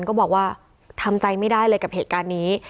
ก็บอกว่าทำใจไม่ได้เลยกับเหตุการณ์นี้